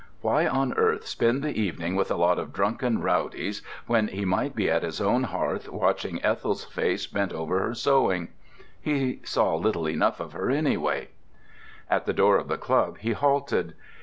Why on earth spend the evening with a lot of drunken rowdies when he might be at his own hearth watching Ethel's face bent over her sewing? He saw little enough of her anyway. At the door of the club he halted.